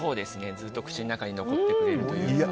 ずっと口の中に残ってくれるというか。